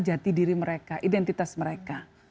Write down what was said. jati diri mereka identitas mereka